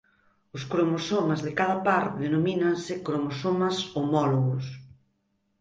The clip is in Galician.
Os cromosomas de cada par denomínanse cromosomas homólogos.